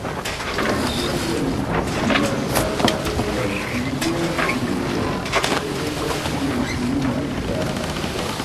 La iberia linko similas al la eŭrazia linko, sed estas iom pli malgranda.